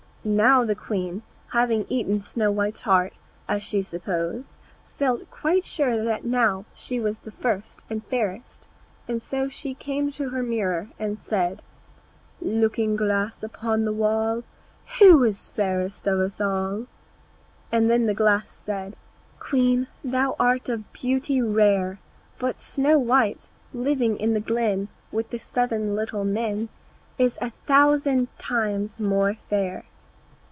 Now the queen, having eaten Snow white's heart, as she supposed, felt quite sure that now she was the first and fairest, and so she came to her mirror, and said, "Looking glass upon the wall, Who is fairest of us all?" And the glass answered, "Queen, thou art of beauty rare, But Snow white living in the glen With the seven little men Is a thousand times more fair."